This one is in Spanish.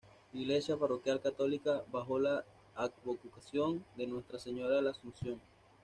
Iglesia parroquial católica bajo la advocación de Nuestra Señora de la Asunción.